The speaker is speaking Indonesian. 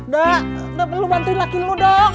dap dap lu bantuin laki lu dong